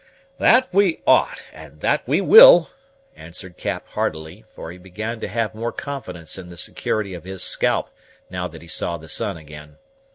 "That we ought, and that we will," answered Cap heartily; for he began to have more confidence in the security of his scalp now that he saw the sun again.